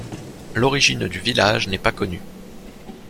L’origine du village n’est pas connue.